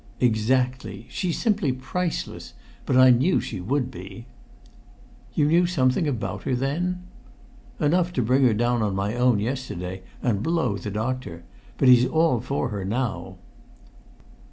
"Exactly. She's simply priceless. But I knew she would be." "You knew something about her, then?" "Enough to bring her down on my own yesterday, and blow the doctor! But he's all for her now."